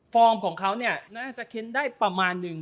ของเขาเนี่ยน่าจะเค้นได้ประมาณนึง